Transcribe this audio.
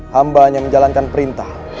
hamba hanya menjalankan perintah